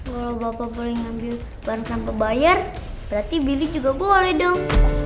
walau bapak boleh ngambil barang tanpa bayar berarti bilik juga boleh dong